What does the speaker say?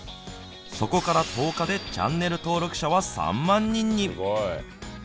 そこから１０日でチャンネル登録者は３万人に。